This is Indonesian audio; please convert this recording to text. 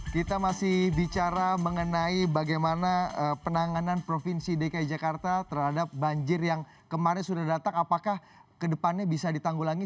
kita masih bicara mengenai bagaimana penanganan provinsi dki jakarta terhadap banjir yang kemarin sudah datang apakah kedepannya bisa ditanggulangi